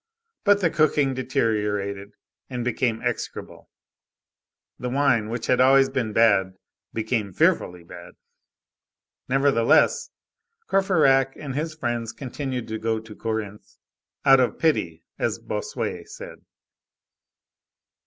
But the cooking deteriorated, and became execrable; the wine, which had always been bad, became fearfully bad. Nevertheless, Courfeyrac and his friends continued to go to Corinthe,—out of pity, as Bossuet said.